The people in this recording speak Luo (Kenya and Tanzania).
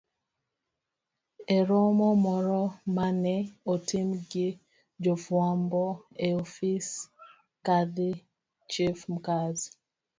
E romo moro ma ne otim gi jofwambo e ofise, Kadhi Chief Mkazi,